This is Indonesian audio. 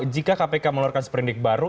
jika kpk meluarkan seperindik baru